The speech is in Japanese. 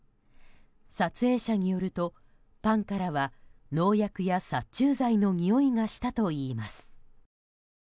撮影者によるとパンからは農薬や殺虫剤のにおいがしたといいます。